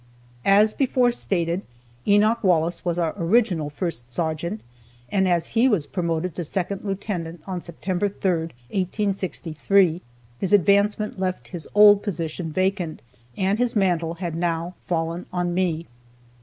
As before stated, Enoch Wallace was our original first sergeant, and as he was promoted to second lieutenant on September 3, 1863, his advancement left his old position vacant, and his mantle had now fallen on me.